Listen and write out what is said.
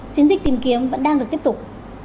chiến dịch tìm kiếm vẫn đang được tiếp tục